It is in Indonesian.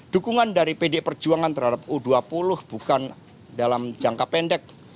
dukungan dari pd perjuangan terhadap u dua puluh bukan dalam jangka pendek